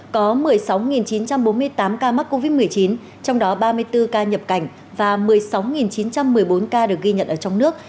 có một mươi sáu chín trăm bốn mươi tám ca mắc covid một mươi chín trong đó ba mươi bốn ca nhập cảnh và một mươi sáu chín trăm một mươi bốn ca được ghi nhận ở trong nước